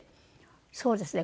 そうですね。